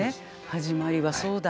始まりはそうだ。